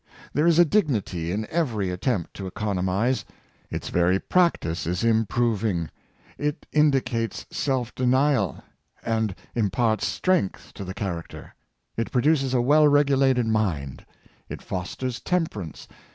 There is a dignity in every attempt to economize. Its very practice is improving. It indicates self denial, and imparts strength to the char acter. It produces a well regulated mind. It fosters temperance.